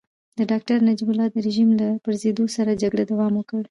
د ډاکټر نجیب الله د رژيم له پرزېدو سره جګړې دوام وکړ.